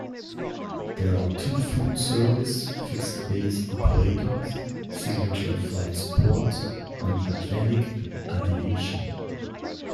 There are two full-service fixed-base operators, Signature Flight Support and Atlantic Aviation.